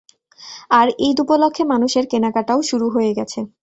আর ঈদ উপলক্ষে মানুষের কেনাকাটাও শুরু হয়ে গেছে।